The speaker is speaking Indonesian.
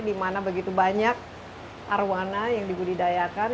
dimana begitu banyak arwana yang dibudidayakan